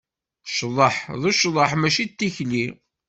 Cḍeh d ccḍeḥ, mačči d tikli.